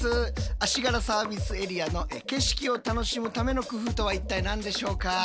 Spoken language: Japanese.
足柄サービスエリアの景色を楽しむための工夫とは一体何でしょうか？